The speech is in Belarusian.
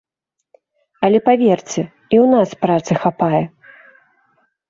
Але паверце, і ў нас працы хапае.